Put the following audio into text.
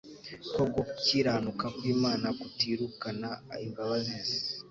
ko gukiranuka kw'Imana kutirukana imbabazi ze,